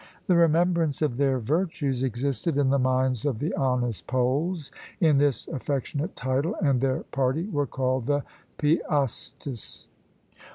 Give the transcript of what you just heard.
The remembrance of their virtues existed in the minds of the honest Poles in this affectionate title, and their party were called the Piastis.